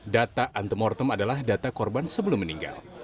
data antemortem adalah data korban sebelum meninggal